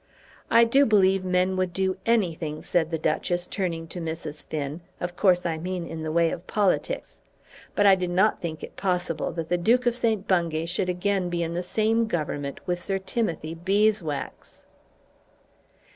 "I do believe men would do anything," said the Duchess, turning to Mrs. Finn. "Of course I mean in the way of politics! But I did not think it possible that the Duke of St. Bungay should again be in the same Government with Sir Timothy Beeswax."